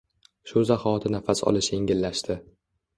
Shu zahoti nafas olish yengillashdi.